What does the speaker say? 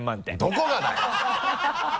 どこがだよ！